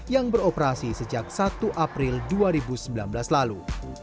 yang beroperasi sejak satu april dua ribu sembilan belas lalu